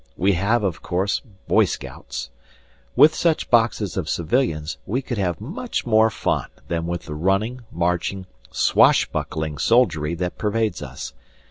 We have, of course, boy scouts. With such boxes of civilians we could have much more fun than with the running, marching, swashbuckling soldiery that pervades us.